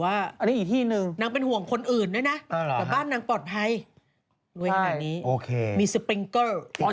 อันนี้ที่เก็บใกล้ใกล้ไฟแม่ตอนนั้น